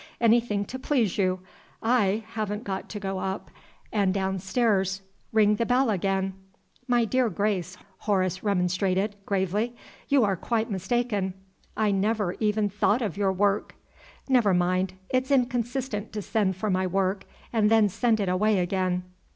Anything to please you! I haven't got to go up and downstairs. Ring the bell again." "My dear Grace," Horace remonstrated, gravely, "you are quite mistaken. I never even thought of your work." "Never mind; it's inconsistent to send for my work, and then send it away again.